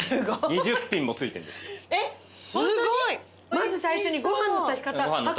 まず最初にご飯の炊き方白米。